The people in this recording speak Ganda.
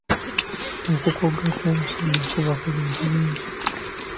Okukogga kw’omusajja kuva ku bintu bingi.